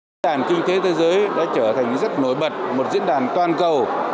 diễn đàn kinh tế thế giới đã trở thành rất nổi bật một diễn đàn toàn cầu